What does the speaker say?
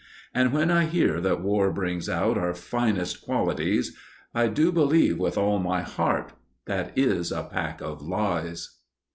And when I hear that war brings out Our finest qualities, I do believe with all my heart That is a pack of lies.